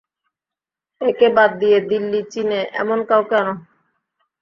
একে বাদ দিয়ে দিল্লি চিনে এমন কাউকে আনো।